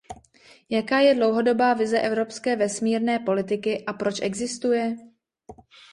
Jaká je dlouhodobá vize evropské vesmírné politiky a proč existuje?